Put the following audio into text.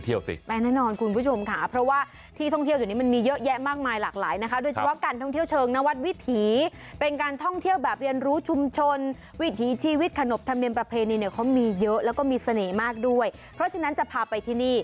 ที่นี่ที่อำเภอเขาวงจังหวัดกล้าละสินจ้า